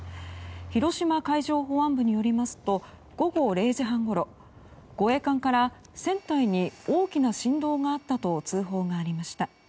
広島海上保安部によりますと午後０時半ごろ護衛艦から船体に大きな振動があったと通報がありました。